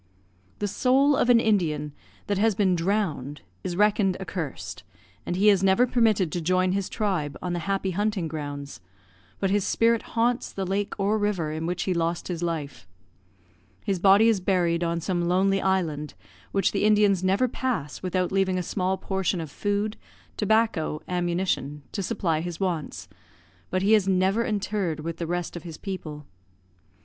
The soul of an Indian that has been drowned is reckoned accursed, and he is never permitted to join his tribe on the happy hunting grounds, but his spirit haunts the lake or river in which he lost his life. His body is buried on some lonely island, which the Indians never pass without leaving a small portion of food, tobacco, ammunition, to supply his wants; but he is never interred with the rest of his people.